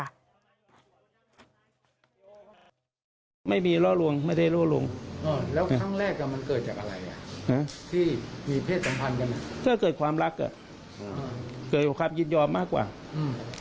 ถ้าหากฝ่ายหญิงจะแจ้งความเอาผิดตนเองก็พร้อมต่อสู้คดี